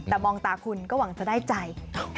แต่มองตาคุณก็หวังจะได้ใจ